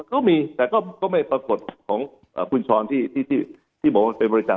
ก็มีแต่ก็ไม่ปรากฏของคุณชรที่บอกว่าเป็นบริษัท